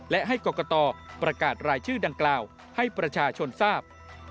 และให้กรกตประกาศรายชื่อดังกล่าวให้ประชาชนทราบ